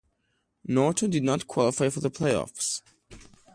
Norton did not qualify for the playoffs.